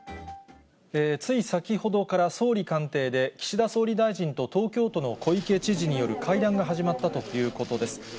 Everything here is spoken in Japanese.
つい先ほどから総理官邸で、岸田総理大臣と東京都の小池知事による会談が始まったということです。